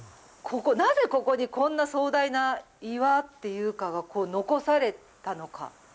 なぜここに、こんな壮大な岩っていうかが残されたのか。